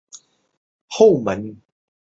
他将李维史陀的思想引进英国社会人类学。